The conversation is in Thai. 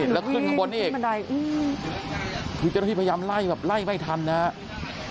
แล้วเครื่องข้างบนเนี่ยคือเจ้าหน้าที่พยายามไล่แบบไล่ไม่ทันนะครับ